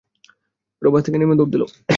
ওরা বাস থেকে নেমে দৌড় দিল।